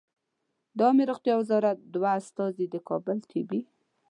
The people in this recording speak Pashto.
د عامې روغتیا وزارت دوه استازي د کابل طبي